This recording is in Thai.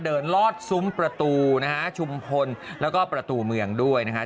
ลอดซุ้มประตูนะฮะชุมพลแล้วก็ประตูเมืองด้วยนะฮะ